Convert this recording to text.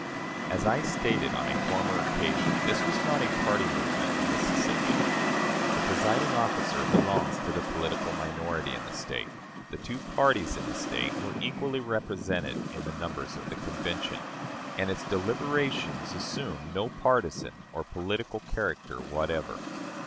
As I stated on a former occasion, this was not a party movement in Mississippi. The presiding officer belongs to the political minority in the State; the two parties in the State were equally represented in the numbers of the Convention, and its deliberations assumed no partisan or political character whatever.